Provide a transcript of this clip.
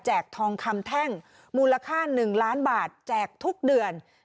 ทองคำแท่งมูลค่า๑ล้านบาทแจกทุกเดือน